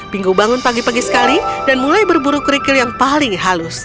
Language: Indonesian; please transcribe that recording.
pingu bangun pagi pagi sekali dan mulai berburu kerikil yang paling halus